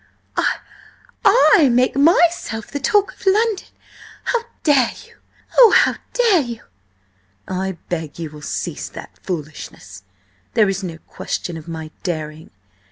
I make myself the talk of London? How dare you? Oh! how dare you?" "I beg you will cease that foolishness. There is no question of my daring.